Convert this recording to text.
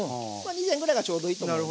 ２膳ぐらいがちょうどいいと思う。